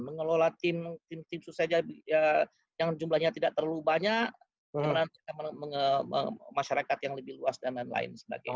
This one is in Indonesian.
mengelola tim tim sukses yang jumlahnya tidak terlalu banyak masyarakat yang lebih luas dan lain lain sebagainya